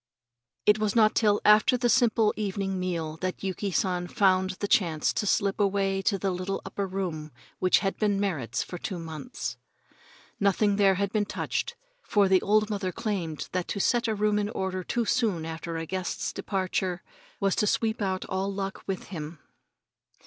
It was not till after the simple evening meal that Yuki San found the chance to slip away to the little upper room which had been Merrit's for two months. Nothing there had been touched, for the old mother claimed that to set a room in order too soon after a guest's departure was to sweep out all luck with him.